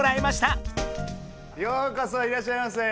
ようこそいらっしゃいませ！